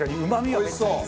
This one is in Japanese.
おいしそう！